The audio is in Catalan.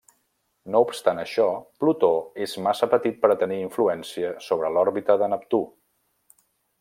No obstant això, Plutó és massa petit per a tenir influència sobre l'òrbita de Neptú.